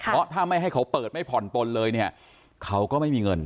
เพราะถ้าไม่ให้เขาเปิดไม่ผ่อนปนเลยเนี่ยเขาก็ไม่มีเงิน